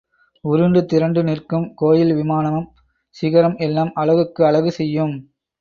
உருண்டு திரண்டு நிற்கும் கோயில் விமானம், சிகரம் எல்லாம் அழகுக்கு அழகு செய்யும்.